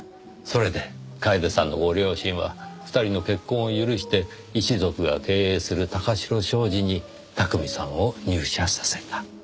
それで楓さんのご両親は２人の結婚を許して一族が経営する貴城商事に巧さんを入社させた。